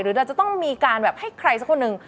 เราจะต้องมีการแบบให้ใครสักคนหนึ่ง